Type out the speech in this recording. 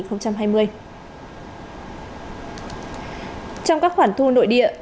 trong các khoản thu nội địa